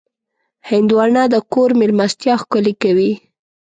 هندوانه د کور مېلمستیا ښکلې کوي.